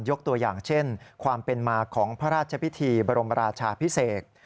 ตัวอย่างเช่นความเป็นมาของพระราชพิธีบรมราชาพิเศษ